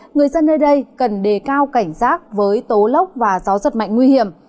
người dân nơi đây cần đề cao cảnh giác với tố lốc và gió giật mạnh nguy hiểm